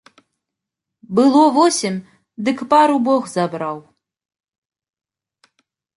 Было восем, дык пару бог забраў.